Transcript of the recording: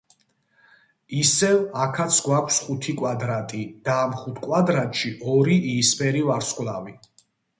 ისევ, აქაც გვაქვს ხუთი კვადრატი, და ამ ხუთ კვადრატში ორი იისფერი ვარსკვლავი.